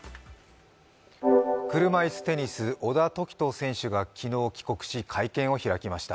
車いすテニス、小田凱人選手が昨日帰国し、会見を開きました。